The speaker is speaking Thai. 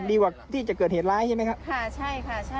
ดีกว่าที่จะเกิดเหตุร้ายใช่ไหมครับค่ะใช่ค่ะใช่